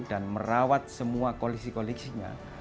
dan merawat semua koleksi koleksinya